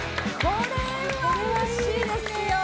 これはうれしいですよ。